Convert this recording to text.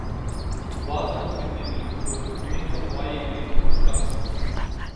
வாசல் திண்ணை மீது ஒரு கிழிந்த பாயை விரித்து, உட்கார்.